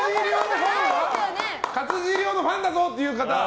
勝地涼のファンだぞっていう方は？